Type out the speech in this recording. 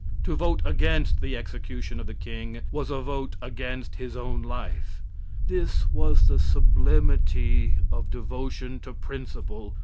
To vote against the execution of the king was a vote against his own life. This was the sublimity of devotion to principle.